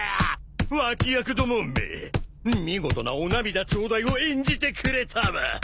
脇役どもめ見事なお涙頂戴を演じてくれたわ！